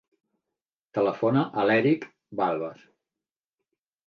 Telefona a l'Èric Balbas.